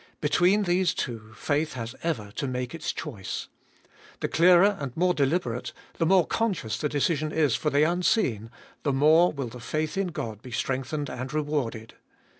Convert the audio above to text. Between these two faith has ever to make its choice. The clearer and more deliberate, the more conscious the decision is for the unseen, the more will the faith in God be strengthened and rewarded.